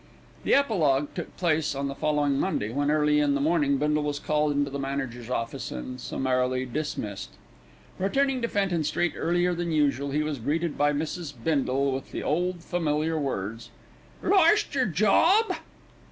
The epilogue took place on the following Monday, when early in the morning Bindle was called into the manager's office and summarily dismissed. Returning to Fenton Street earlier than usual he was greeted by Mrs. Bindle with the old familiar words: "Lorst yer job?"